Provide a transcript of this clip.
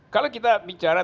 kalau kita bicara